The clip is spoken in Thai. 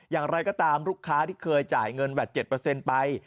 อย่างไรก็ตามลูกค้าที่เคยจ่ายเงินแวด๗ไป